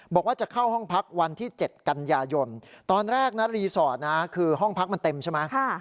ตอนแรกรีสอร์ทวัน๗กันยายนตอนแรกรีสอร์ทห้องพักมันเต็มใช่ไหม